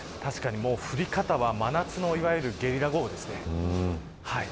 降り方は真夏のいわゆるゲリラ豪雨ですね。